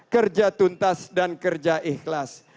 kerja tuntas dan kerja ikhlas